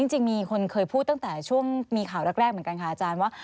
จริงมีคนเคยพูดตั้งแต่ช่วงมีข่าวแรกเหมือนกันค่ะอาจารย์ว่า